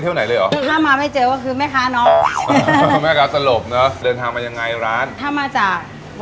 ทุกวันไหม